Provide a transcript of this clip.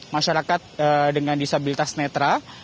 masyarakat dengan disabilitas netra